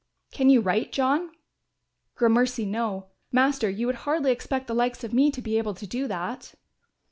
"Can you write, John?" "Gramercy no, Master, you would hardly expect the likes of me to be able to do that."